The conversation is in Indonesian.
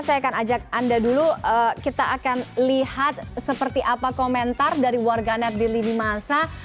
saya akan ajak anda dulu kita akan lihat seperti apa komentar dari warganet di lini masa